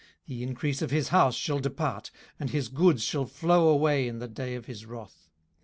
18:020:028 The increase of his house shall depart, and his goods shall flow away in the day of his wrath.